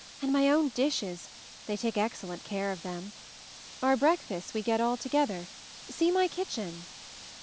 And my own dishes; they take excellent care of them. Our breakfasts we get all together — see my kitchen!''